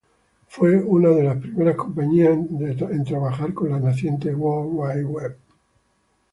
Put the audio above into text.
Fue una de las primeras compañías en trabajar con la naciente World Wide Web.